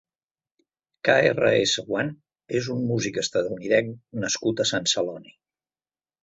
KRS-One és un músic estatunidenc nascut a Sant Celoni.